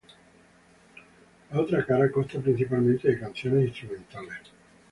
La otra cara costa principalmente de canciones instrumentales.